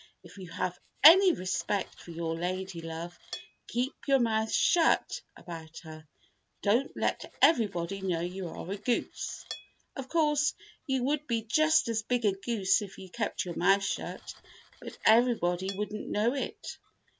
"If you have any respect for your lady love, keep your mouth shut about her. Don't let everybody know you are a goose. Of course, you would be just as big a goose if you kept your mouth shut, but everybody wouldn't know it.